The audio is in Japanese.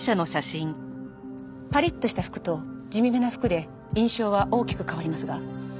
パリッとした服と地味めな服で印象は大きく変わりますが。